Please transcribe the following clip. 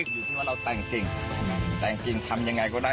อยู่ที่ว่าเราแต่งจริงแต่งจริงทำยังไงก็ได้